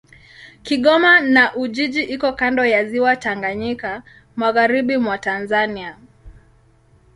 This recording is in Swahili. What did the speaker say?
Kigoma na Ujiji iko kando ya Ziwa Tanganyika, magharibi mwa Tanzania.